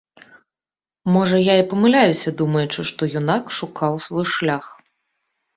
Можа, я і памыляюся, думаючы, што юнак шукаў свой шлях.